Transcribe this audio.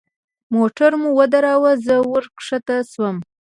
موټر مو ودراوه زه وركښته سوم.